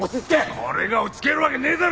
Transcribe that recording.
これが落ち着けるわけねえだろ！